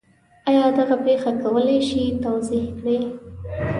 آیا دغه پېښه کولی شئ توضیح کړئ؟